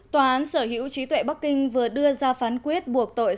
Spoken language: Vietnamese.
tòa án sở hữu trí tuệ bắc kinh vừa đưa ra phán quyết buộc tội